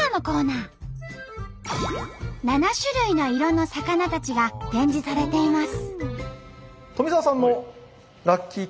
７種類の色の魚たちが展示されています。